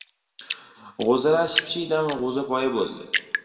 G‘o‘zalar shipshiydam g‘o‘zapoya bo‘ldi.